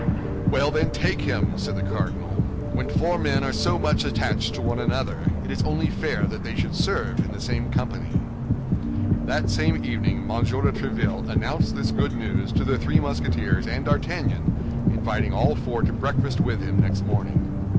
"Well, then, take him," said the cardinal; "when four men are so much attached to one another, it is only fair that they should serve in the same company." That same evening M. de Tréville announced this good news to the three Musketeers and D'Artagnan, inviting all four to breakfast with him next morning.